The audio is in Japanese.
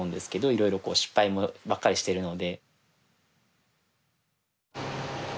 いろいろこう失敗ばっかりしてるので。